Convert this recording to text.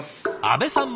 阿部さん